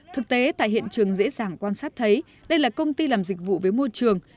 thực tế tại hiện trường dễ dàng quan sát thấy đây là công ty làm dịch vụ với môi trường